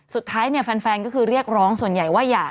สุดท้ายเนี่ยแฟนก็คือเรียกร้องส่วนใหญ่ว่าอย่า